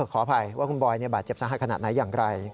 ขออภัยว่าคุณบอยบาดเจ็บสาหัสขนาดไหนอย่างไร